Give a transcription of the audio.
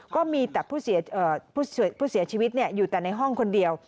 ก็มีแต่ผู้เสียชีวิตอยู่แต่ในห้องคนเดียว